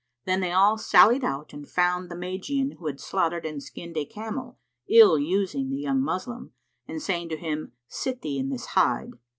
Then they all sallied out and found the Magian who had slaughtered and skinned a camel, ill using the young Moslem, and saying to him, "Sit thee in this hide."